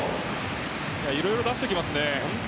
いろいろ出してきますね。